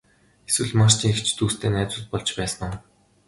Эсвэл Марчийн эгч дүүстэй найзууд болж байсан уу?